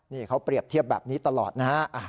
นี่เขาเปรียบเทียบแบบนี้ตลอดนะฮะ